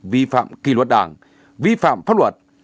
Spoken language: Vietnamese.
vi phạm kỳ luật đảng vi phạm pháp luật